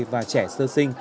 và trẻ sơ sinh